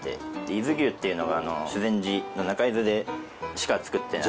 伊豆牛っていうのは修善寺の中伊豆でしかつくってない。